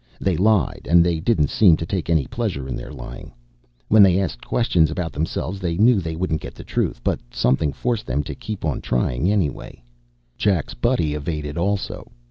They lied, and they didn't seem to take any pleasure in their lying. When they asked questions themselves, they knew they wouldn't get the truth. But something forced them to keep on trying anyway. Jack's buddy evaded also.